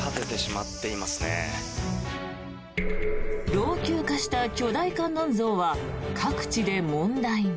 老朽化した巨大観音像は各地で問題に。